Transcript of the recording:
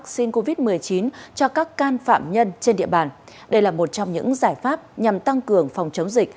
xin chào và hẹn gặp lại